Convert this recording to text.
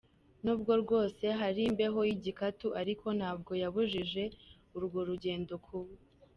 N’ubwo bwose hari imbeho y’igikatu ariko ntabwo yabujije urwo rugendo kuba.